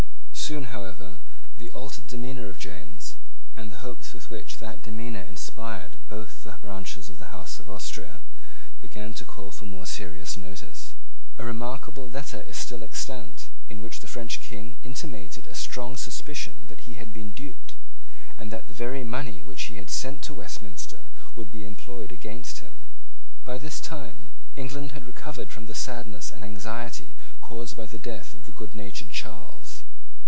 Soon, however, the altered demeanour of James, and the hopes with which that demeanour inspired both the branches of the House of Austria, began to call for more serious notice. A remarkable letter is still extant, in which the French King intimated a strong suspicion that he had been duped, and that the very money which he had sent to Westminster would be employed against him. By this time England had recovered from the sadness and anxiety caused by the death of the goodnatured Charles.